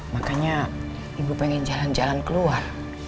makanya ibu pengen jalan jalan keluar